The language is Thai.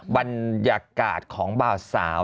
บรรยากาศของบ่าวสาว